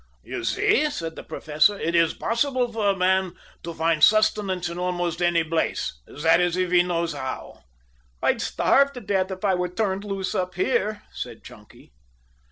"You see," said the Professor, "it is possible for a man to find sustenance in almost any place that is, if he knows how." "I'd starve to death if I were turned loose up here," said Chunky.